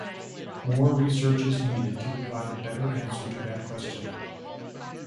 More research is needed to provide a better answer to that question.